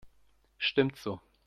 Stimmt so.